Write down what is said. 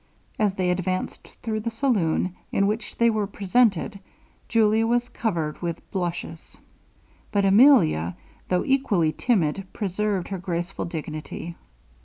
As they advanced through the saloon, in which they were presented, Julia was covered with blushes; but Emilia, tho' equally timid, preserved her graceful dignity.